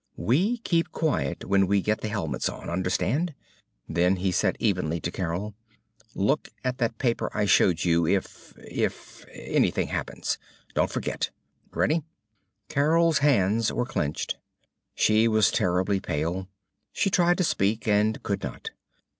We keep quiet when we get the helmets on. Understand?" Then he said evenly to Carol. "Look at that paper I showed you if if anything happens. Don't forget! Ready?" Carol's hands were clenched. She was terribly pale. She tried to speak, and could not.